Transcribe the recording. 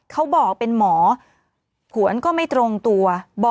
เขาบอกเป็นหมอผวนก็ไม่ตรงตัว